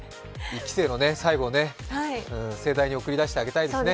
１期生の最後を盛大に送り出してあげたいですね。